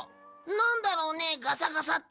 なんだろうねガサガサって。